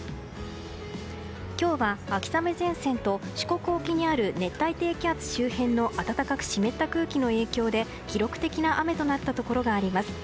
今日は秋雨前線と四国沖にある熱帯低気圧周辺の暖かく湿った空気の影響で記録的な雨となったところがあります。